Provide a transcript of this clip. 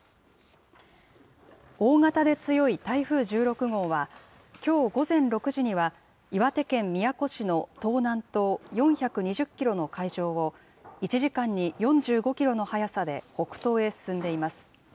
大型で強い台風１６号は、きょう午前６時には、岩手県宮古市の東南東４２０キロの海上を、１時間に４５キロの速さで北東へ進んでいます。